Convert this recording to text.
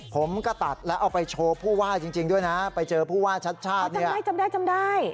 ผมก็ตัดแล้วเอาไปโชว์ผู้ว่าจริงด้วยนะไปเจอผู้ว่าชัดชาติเนี่ยไม่จำได้จำได้